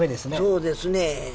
そうですね